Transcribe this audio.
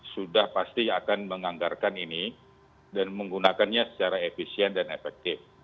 sudah pasti akan menganggarkan ini dan menggunakannya secara efisien dan efektif